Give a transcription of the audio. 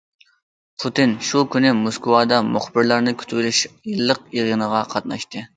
پۇتىن شۇ كۈنى موسكۋادا مۇخبىرلارنى كۈتۈۋېلىش يىللىق يىغىنىغا قاتناشتى.